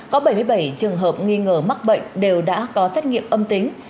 có bảy mươi bảy trường hợp nghi ngờ mắc bệnh đều đã có xét nghiệm âm tính